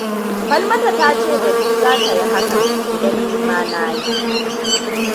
Falmata ta ce da ni za ta yi hakan, idan ni ma na yi.